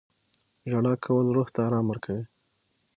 • ژړا کول روح ته ارام ورکوي.